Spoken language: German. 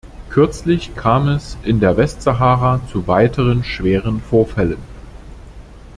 Kürzlich kam es in der Westsahara zu weiteren schweren Vorfällen.